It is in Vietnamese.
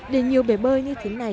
để nhiều bể bơi như thế này